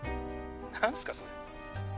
何すかそれ？